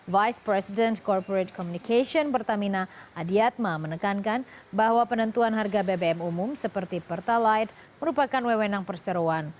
vice president corporate communication pertamina adiatma menekankan bahwa penentuan harga bbm umum seperti pertalite merupakan wewenang perseroan